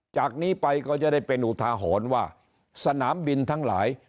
จากนี้ไปก็จะได้เป็นอุทาหรณ์ว่าสนามบินทั้งหลาย